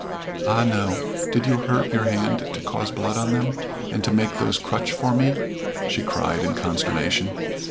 "Ah, no. Did you hurt your hand to cause blood on them, and to make those crutch for me?" she cried in consternation.